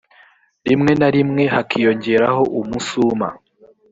rimwe na rimwe hakiyongeraho umusuma